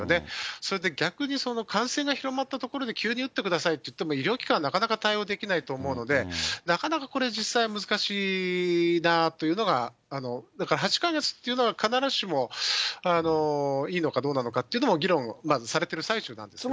それで逆に、感染が広まったところで、急に打ってくださいっていっても、医療機関、なかなか対応できないと思うので、なかなかこれ、実際は難しいなあというのが、だから８か月というのは、必ずしもいいのかどうなのかというのも議論、まだされてる最中なんですけどね。